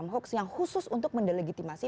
hoax yang khusus untuk mendelegitimasi